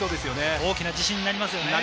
大きな自信になります。